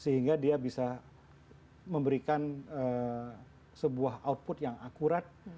sehingga dia bisa memberikan sebuah output yang akurat sehingga dia bisa memberikan sebuah output yang akurat